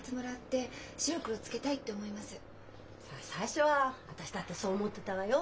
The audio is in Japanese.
最初は私だってそう思ってたわよ。